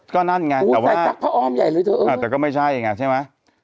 ก็นั่นไงแต่ว่าแต่ก็ไม่ใช่ไงใช่ไหม